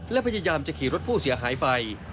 และพยายามจะขี่รถผู้เสียหายไป